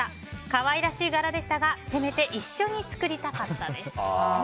可愛らしい柄でしたがせめて一緒に作りたかったです。